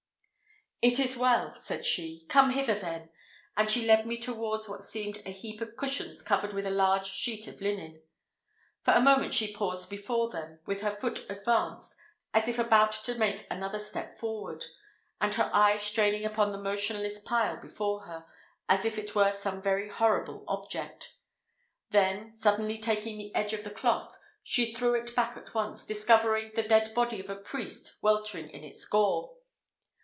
"It is well!" said she. "Come hither, then!" and she led me towards what seemed a heap of cushions covered with a large sheet of linen. For a moment she paused before them, with her foot advanced, as if about to make another step forward, and her eye straining upon the motionless pile before her, as if it were some very horrible object; then, suddenly taking the edge of the cloth, she threw it back at once, discovering the dead body of a priest weltering in its gore.